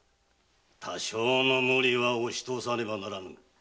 多少の無理は押し通さねばならぬ。